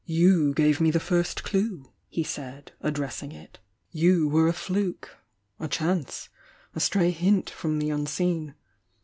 "You gave me the first clue!" he said, addressing it. "You were a fluke — a chance — a stray hint from the unseen.